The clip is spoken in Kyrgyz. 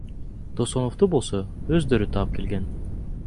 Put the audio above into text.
Досоновду болсо өздөрү таап келген.